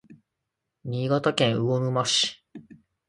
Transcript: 新潟県魚沼市